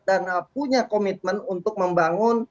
dan punya komitmen untuk membangun